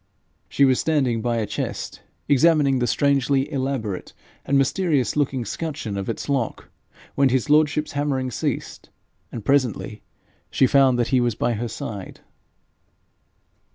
She was standing by a chest, examining the strangely elaborate and mysterious looking scutcheon of its lock, when his lordship's hammering ceased, and presently she found that he was by her side.